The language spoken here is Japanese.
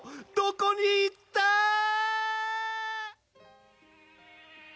どこに行ったー？